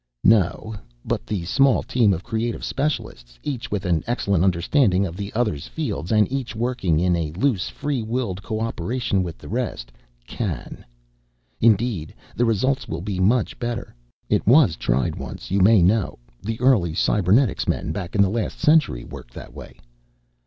"No but the small team of creative specialists, each with an excellent understanding of the others' fields, and each working in a loose, free willed cooperation with the rest, can. Indeed, the results will be much better. It was tried once, you may know. The early cybernetics men, back in the last century, worked that way."